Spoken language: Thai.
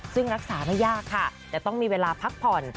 ซึ่งรักษาไม่ยากค่ะแต่ต้องมีเวลาพักผ่อน